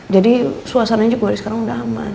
jadi suasananya juga dari sekarang udah aman